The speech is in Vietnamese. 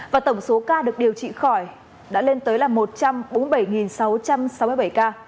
và tổng số ca được điều trị khỏi đã lên tới là một trăm bốn mươi bảy sáu trăm sáu mươi bảy ca